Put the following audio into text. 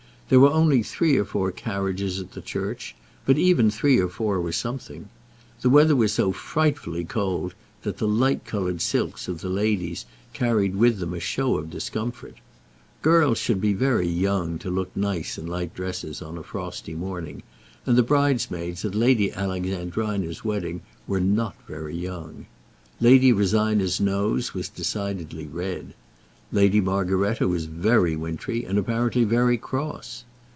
There were only three or four carriages at the church, but even three or four were something. The weather was so frightfully cold that the light coloured silks of the ladies carried with them a show of discomfort. Girls should be very young to look nice in light dresses on a frosty morning, and the bridesmaids at Lady Alexandrina's wedding were not very young. Lady Rosina's nose was decidedly red. Lady Margaretta was very wintry, and apparently very cross.